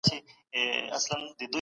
په لیکلو سره ذهن تر اورېدلو ښه کار کوي.